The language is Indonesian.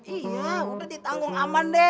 iya udah ditanggung aman deh